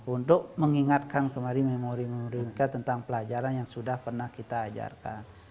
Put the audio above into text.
untuk mengingatkan kembali memori memori kita tentang pelajaran yang sudah pernah kita ajarkan